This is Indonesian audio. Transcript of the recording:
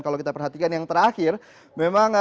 kalau kita perhatikan yang terakhir memang